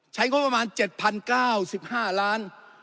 ใช้งบประมาณ๗๐๙๕ล้าน